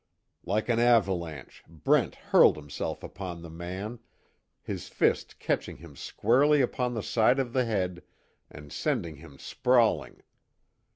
Like an avalanche Brent hurled himself upon the man, his fist catching him squarely upon the side of the head and sending him sprawling.